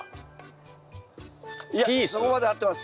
いやそこまで合ってます。